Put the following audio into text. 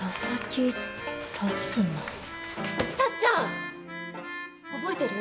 タッちゃん！覚えてる？